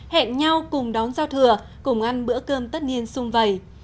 hẹn nhau cùng đón giao thừa cùng ăn bữa cơm tất niên sung vầy